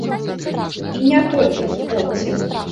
І не толькі ў спорце.